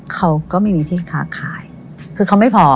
เขาก็ไม่มีที่ค้าขายคือเขาไม่พอ